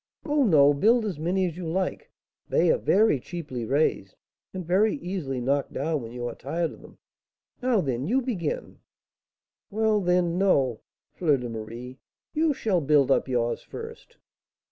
"Oh, no, build as many as you like, they are very cheaply raised, and very easily knocked down when you are tired of them. Now, then, you begin." "Well, then No! Fleur de Marie, you shall build up yours first."